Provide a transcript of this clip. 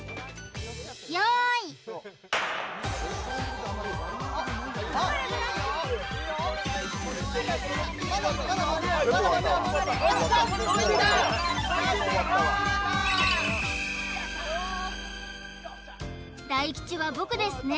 用意大吉は僕ですね